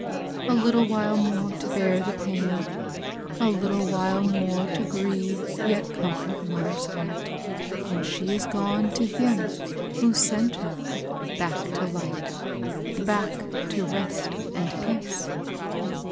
A httle while more to bear the pain, — a little while more to grieve yet comfort mother's heart, and she is gone to Him who sent her, — back to light, — back to rest and peace."